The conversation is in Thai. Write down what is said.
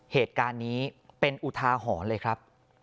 เหตุการณ์นี้เป็นอุทาหรณ์เลยครับ